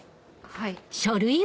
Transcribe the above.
はい。